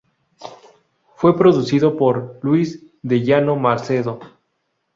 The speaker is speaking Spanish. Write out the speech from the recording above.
Fue producido por: Luis de Llano Macedo.